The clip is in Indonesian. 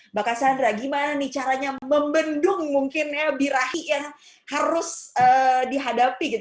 mbak cassandra gimana nih caranya membendung mungkin ya birahi yang harus dihadapi gitu